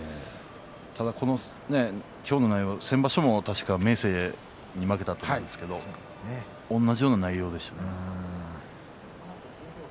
ただ、今日の内容先場所も確か明生に負けたと思いますが同じような内容でしたね。